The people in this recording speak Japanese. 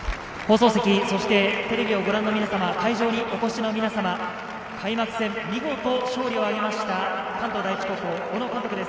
放送席、テレビをご覧の皆さん、会場にお越しの皆さん、開幕戦見事勝利を挙げた関東第一高校・小野監督です。